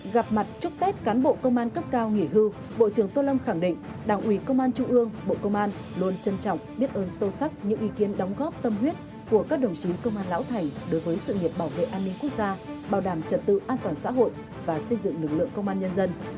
gặp mặt chúc tết cán bộ công an cấp cao nghỉ hưu bộ trưởng tô lâm khẳng định đảng ủy công an trung ương bộ công an luôn trân trọng biết ơn sâu sắc những ý kiến đóng góp tâm huyết của các đồng chí công an lão thành đối với sự nghiệp bảo vệ an ninh quốc gia bảo đảm trật tự an toàn xã hội và xây dựng lực lượng công an nhân dân